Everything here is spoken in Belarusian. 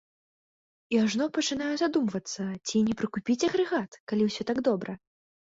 І ажно пачынаю задумвацца, ці не прыкупіць агрэгат, калі ўсё так добра.